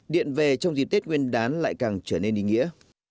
điện về trong dịp tết nguyên đán lại càng trở nên ý nghĩa